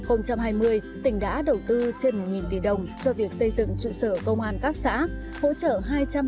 từ năm hai nghìn hai mươi tỉnh đã đầu tư trên một tỷ đồng cho việc xây dựng trụ sở công an các xã